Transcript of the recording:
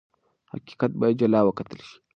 حقیقت باید جلا وکتل شي.